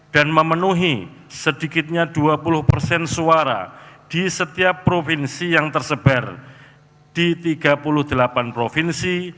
dan memenuhi sedikitnya dua puluh persen suara di setiap provinsi yang tersebar di tiga puluh delapan provinsi